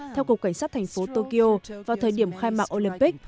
theo cục cảnh sát thành phố tokyo vào thời điểm khai mạc olympic